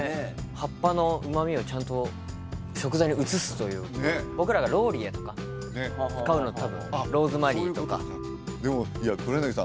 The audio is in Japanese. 葉っぱの旨味をちゃんと食材に移すという僕らがローリエとか使うのと多分ローズマリーとかでもいや黒柳さん